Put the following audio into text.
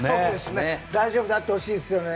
大丈夫であってほしいですよね。